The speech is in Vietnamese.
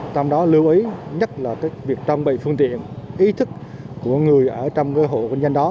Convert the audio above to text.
trong đó lưu ý nhất là việc trang bị phương tiện ý thức của người ở trong cái hộ kinh doanh đó